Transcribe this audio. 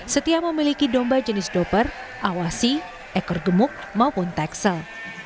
setia memiliki domba jenis doper awasi ekor gemuk maupun tekstil